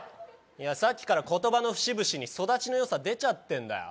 いやさっきから言葉の節々に育ちのよさ出ちゃってんだよ